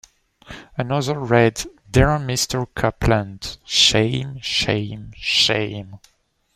'" Another read, "Dear Mr. Copland, Shame Shame Shame!